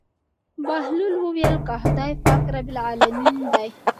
بهلول وويل که خداى پاک رب العلمين دى.